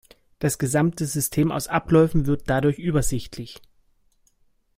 Das gesamte System aus Abläufen wird dadurch übersichtlich.